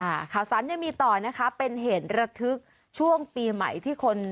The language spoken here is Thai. ข่าวสารยังมีต่อนะคะเป็นเหตุระทึกช่วงปีใหม่ที่คน